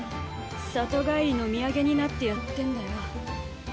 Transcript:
里帰りの土産になってやってんだよ。